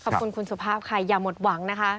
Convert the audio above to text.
ขอบคุณคุณสุภาพค่ะอย่าหมดหวังนะคะ